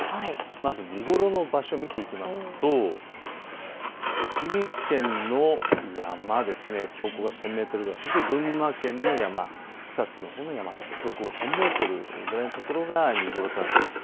まず見頃の場所を見ていきますと栃木県の山、標高が１０００メートルぐらい、そして群馬県の山、草津のほうの山と標高１０００メートルぐらいのところが見頃となっています。